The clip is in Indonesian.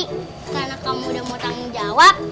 karena kamu udah mau tanggung jawab